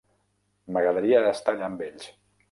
M'agradaria estar allà amb ells.